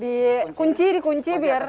di kunci di kunci biar